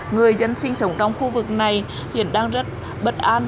người dân sinh sống trong khu vực này hiện đang rất bất an